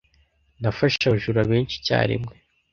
Nafashe abajura benshi icyarimwe.